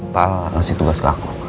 pa masih tugas ke aku